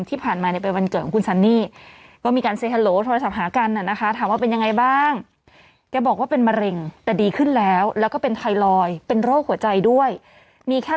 ที่ผ่านมาในเป็นวันเกิดของคุณซันนี่